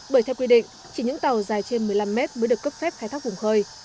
bởi theo quy định chỉ những tàu dài trên một mươi năm mét mới được cấp phép khai thác vùng khơi